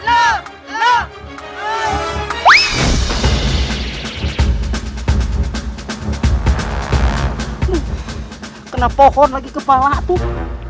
hmm kena pohon lagi kepala tuh